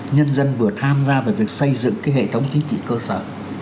nhân dân vừa tham gia vào việc xây dựng cái hệ thống chính trị cơ sở